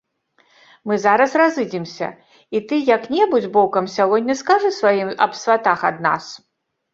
Мы зараз разыдземся, і ты як-небудзь бокам сягоння скажы сваім аб сватах ад нас.